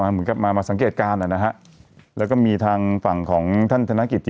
เหมือนกับมามาสังเกตการณ์นะฮะแล้วก็มีทางฝั่งของท่านธนกิจ